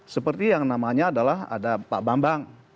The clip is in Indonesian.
seperti yang namanya adalah ada pak bambang